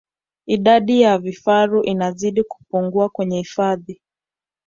Idadi ya vifaru inazidi kupungua kwenye hifadhi